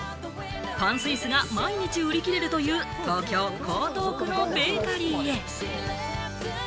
パンスイスが毎日売り切れるという東京・江東区のベーカリーへ。